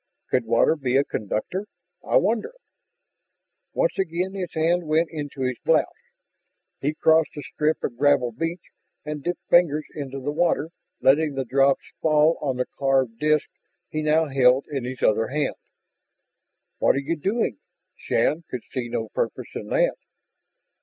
Could water be a conductor? I wonder...." Once again his hand went into his blouse. He crossed the strip of gravel beach and dipped fingers into the water, letting the drops fall on the carved disk he now held in his other hand. "What are you doing?" Shann could see no purpose in that.